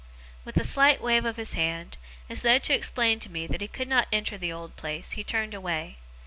With a slight wave of his hand, as though to explain to me that he could not enter the old place, he turned away.